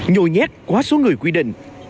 nhồi nhét quá số người quy định